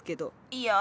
いや。